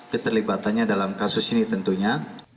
keterlibatannya dalam kasus ini tentunya